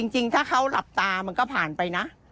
จริงถ้าเขาหลับตามันก็ผ่านไปนะ